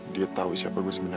dia tahu siapa gue sebenarnya